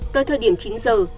tới thời điểm chín giờ